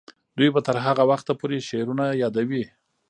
دوی به تر هغه وخته پورې شعرونه یادوي.